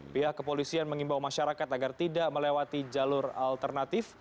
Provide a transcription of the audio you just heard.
pihak kepolisian mengimbau masyarakat agar tidak melewati jalur alternatif